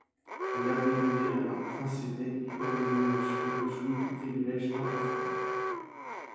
L'abbé devient alors prince-évêque et Kornelimünster jouit de privilèges importants.